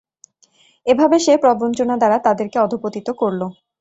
এভাবে সে প্রবঞ্চনা দ্বারা তাদেরকে অধঃপতিত করল।